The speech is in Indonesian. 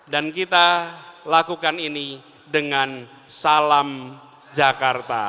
dan kita lakukan ini dengan salam jakarta